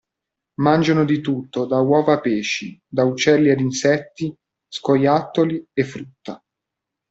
Mangiano di tutto da uova a pesci, da uccelli ad insetti, scoiattoli e frutta.